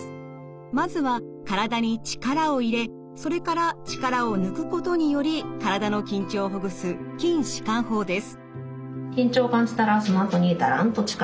まずは体に力を入れそれから力を抜くことにより体の緊張をほぐす筋弛緩法です。